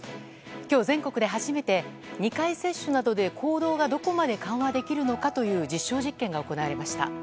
今日、全国で初めて２回接種などで行動がどこまで緩和できるのかという実証実験が行われました。